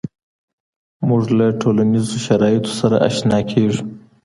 مونږ له ټولنیزو شرایطو سره آشنا کیږو.